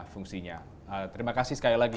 fungsinya terima kasih sekali lagi